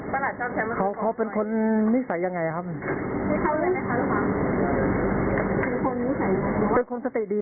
ไม่ดีอ่ะเพราะว่าเค้ามาแล้วเค้าชอบมาสั่งพลังงานที่นี่